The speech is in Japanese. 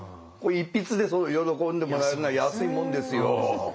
一筆でそう喜んでもらえるなら安いもんですよ。